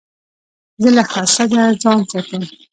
زه له حسده ځان ساتم.